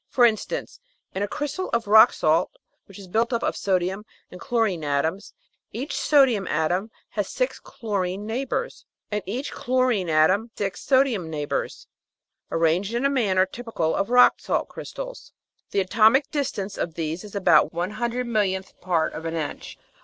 For in stance, in a crystal of rock salt, which is built up of sodium and chlorine atoms, each sodium atom has six chlorine neighbours, and each chlorine atom six sodium neighbours, arranged in a manner typical of rock salt crystals. The atomic distance of these is about one hundred millionth part of an inch.